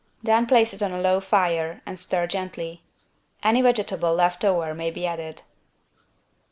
Then place it on a low fire and stir gently. Any vegetable left over may be added.